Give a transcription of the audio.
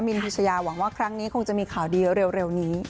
นพิชยาหวังว่าครั้งนี้คงจะมีข่าวดีเร็วนี้